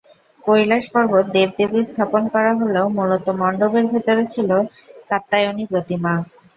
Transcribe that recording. কৈলাস পর্বতে দেব-দেবী স্থাপন করা হলেও মূলত মণ্ডপের ভেতরে ছিল কাত্যায়নী প্রতিমা।